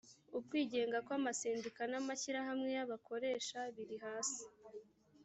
ukwigenga kw’amasendika n’amashyirahamwe y’abakoresha biri hasi